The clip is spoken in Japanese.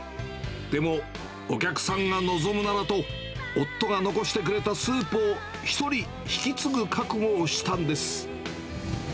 でも、お客さんが望むならと、夫が残してくれたスープを一人引き継ぐ覚悟をしたんです。